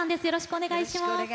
よろしくお願いします。